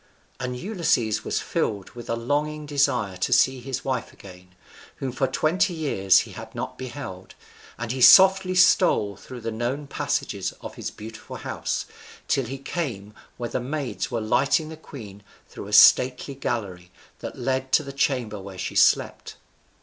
And Ulysses was filled with a longing desire to see his wife again, whom for twenty years he had not beheld, and he softly stole through the known passages of his beautiful house, till he came where the maids were lighting the queen through a stately gallery that led to the chamber where she slept.